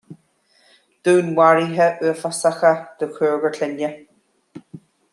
Dúnmharuithe uafásacha de chúigear clainne